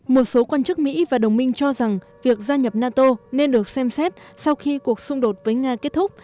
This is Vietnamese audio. một số quan chức mỹ và đồng minh cho rằng việc gia nhập nato nên được xem xét sau khi cuộc xung đột với nga kết thúc